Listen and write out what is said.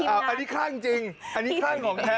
อันนี้ขั้นจริงขั้นของแท้